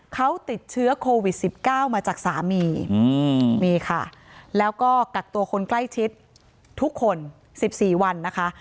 เขาติดเชื้อโควิด๑๙มาจากสามีนี่ค่ะแล้วก็กักตัวคนใกล้ชิดทุกคน๑๔วันนะคะ